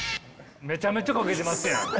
めちゃめちゃかけてますやん。